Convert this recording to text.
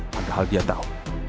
padahal dia tau